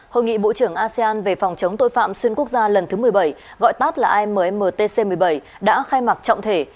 hội nghị bộ trưởng asean về phòng chống tội phạm xuyên quốc gia lần thứ một mươi bảy gọi tắt là ammtc một mươi bảy đã khai mạc trọng thể